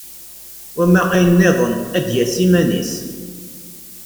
Wama ayen-nniḍen ad d-yas iman-is.